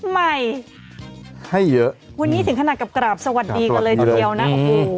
ใหม่ให้เยอะวันนี้ถึงขนาดกับกราบสวัสดีกันเลยทีเดียวนะโอ้โห